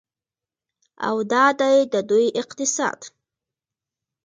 او دا دی د دوی اقتصاد.